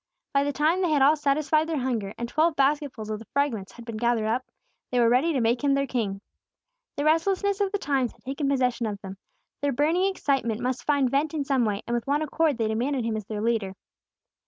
By the time they had all satisfied their hunger, and twelve basketfuls of the fragments had been gathered up, they were ready to make Him their king. The restlessness of the times had taken possession of them; the burning excitement must find vent in some way, and with one accord they demanded Him as their leader.